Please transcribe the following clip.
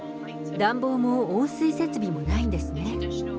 暖房も温水設備もないんですね。